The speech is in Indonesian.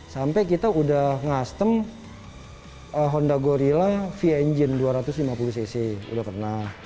sampai kita udah ngastem honda gorilla v engine dua ratus lima puluh cc udah pernah